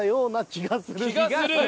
「気がする」？